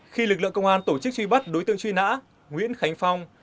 khi lực lượng công an tổ chức truy bắt đối tượng truy nã nguyễn khánh phong